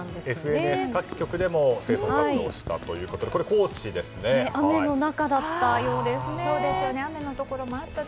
ＦＮＳ各局でも清掃活動をしたということで雨の中だったようですね。